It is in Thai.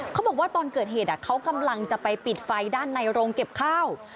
เขาบอกว่าตอนเกิดเหตุเขากำลังจะไปปิดไฟด้านในโรงเก็บข้าว